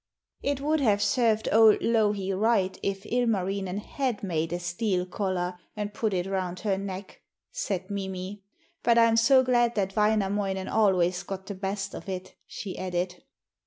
'It would have served old Louhi right if Ilmarinen had made a steel collar and put it round her neck,' said Mimi. 'But I'm so glad that Wainamoinen always got the best of it,' she added.